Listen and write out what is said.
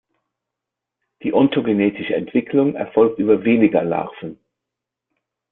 Die ontogenetische Entwicklung erfolgt über Veliger-Larven.